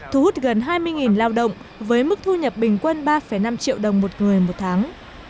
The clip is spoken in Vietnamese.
thu hút gần hai mươi lao động với mức thu nhập bình quân ba năm triệu đồng một người một tháng